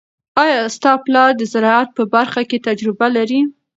آیا ستا پلار د زراعت په برخه کې تجربه لري؟